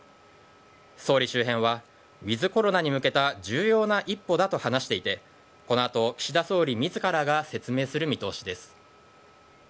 総理周辺はウィズコロナに向けた重要な一歩だと話していてこの後、岸田総理自らが説明する見通しです。